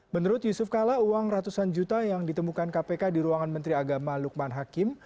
menurut yusuf kala uang ratusan juta yang ditemukan kpk di ruangan menteri agama lukman hakim